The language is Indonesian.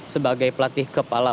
sebagai pelatih kepala